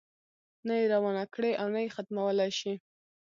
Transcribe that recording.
نه یې روانه کړې او نه یې ختمولای شي.